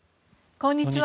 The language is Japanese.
こんにちは。